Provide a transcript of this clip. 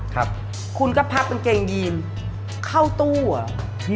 คุณขับกางเกงยินเข้าตู้